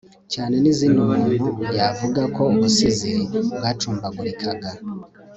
cyane n'izindi umuntu yavuga ko ubusizi bwacumbagurikaga